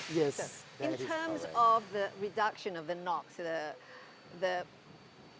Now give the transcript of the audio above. dalam hal pengurangan nuklir